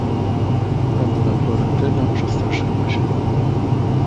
"Panna Florentyna przestraszyła się."